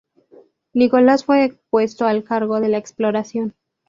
Nicolás fue puesto al cargo de la exploración.